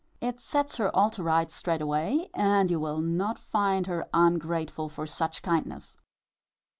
It sets her all to rights straight away, and you will not find her ungrateful for such kindness.